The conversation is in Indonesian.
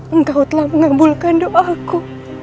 engkau telah mengabulkan doaku